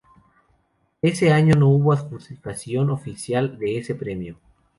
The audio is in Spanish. Ese año no hubo adjudicación oficial de ese premio.